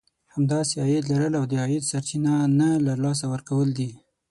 همداسې عايد لرل او د عايد سرچينه نه له لاسه ورکول دي.